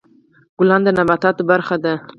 ګلان د نباتاتو برخه ده.